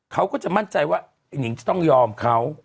เขาก็จะมั่นใจว่าไอ้นิงจะต้องยอมเขา